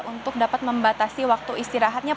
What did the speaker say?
untuk dapat membatasi waktu istirahatnya